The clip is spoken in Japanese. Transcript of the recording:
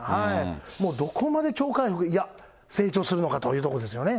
もうどこまで、成長するのかというところですよね。